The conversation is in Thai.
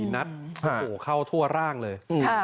๔นัดเข้าทั่วร่างเลย